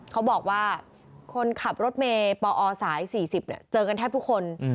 เขาบอกว่าคนขับรถเมย์ปอสาย๔๐เจอกันแทบทุกคน